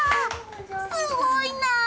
すごいな！